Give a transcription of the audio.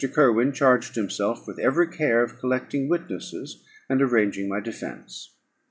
Kirwin charged himself with every care of collecting witnesses, and arranging my defence.